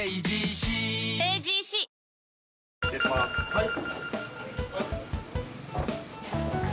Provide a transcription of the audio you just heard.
はい。